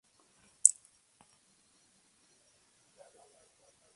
La universidad es miembro de la prestigiosa Asociación de Universidades Americanas.